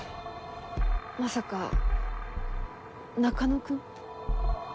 まさか中野くん？